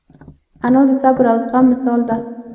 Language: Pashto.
انا د صبر او زغم مثال ده